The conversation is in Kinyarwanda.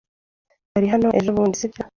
Wari hano ejobundi, sibyo?